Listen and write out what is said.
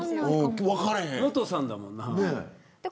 モトさんだもんな。